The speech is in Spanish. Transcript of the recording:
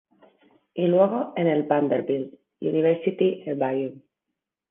Y luego en el Vanderbilt University Herbarium.